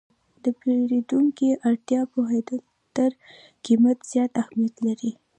د پیرودونکي اړتیا پوهېدل تر قیمت زیات اهمیت لري.